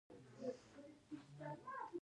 خر بی نګه